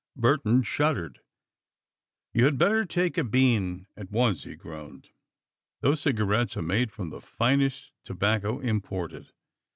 Burton shuddered "You had better take a bean at once," he groaned. "Those cigarettes are made from the finest tobacco imported." Mr.